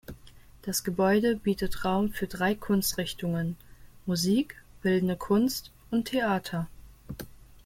Das Gebäude bietet Raum für drei Kunstrichtungen: Musik, bildende Kunst und Theater.